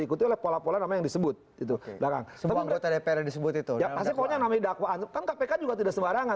kan kpk juga tidak sembarangan